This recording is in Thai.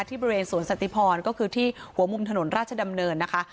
บริเวณสวนสันติพรก็คือที่หัวมุมถนนราชดำเนินนะคะ